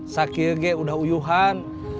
sakhir g udah uyuhan